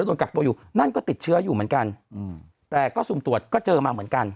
โดนกักตัวอยู่นั่นก็ติดเชื้ออยู่เหมือนกันแต่ก็สุ่มตรวจก็เจอมาเหมือนกัน